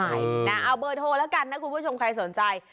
เอาเบอร์โทรแล้วกันนะคุณผู้ชมใครสนใจ